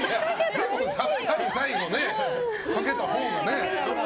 さっぱり最後かけたほうがね。